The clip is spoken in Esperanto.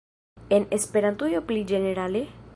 En Esperantujo pli ĝenerale?